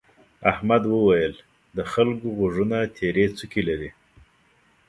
احمد وويل: د خلکو غوږونه تيرې څوکې لري.